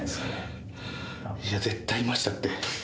いや絶対いましたって。